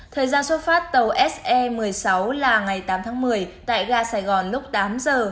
thời gian xuất phát tàu se một mươi sáu là ngày tám tháng một mươi tại ga sài gòn lúc tám giờ